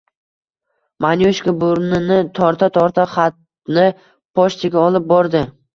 Manyushka burnini torta-torta xatni pochtaga olib bordi.